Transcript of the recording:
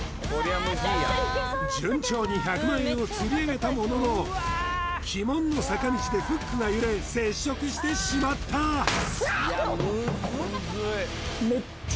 順調に１００万円をつり上げたものの鬼門の坂道でフックが揺れ接触してしまったうわっ！